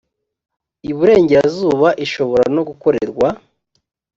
iburengerazuba ishobora no gukorerwa